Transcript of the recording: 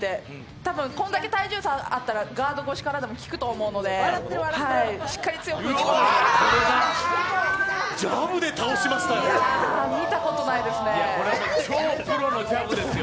多分、これだけ体重差があったらガード越しからも効くと思うので、しっかり強く打つジャブで倒しましたよ。